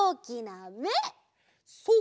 そう！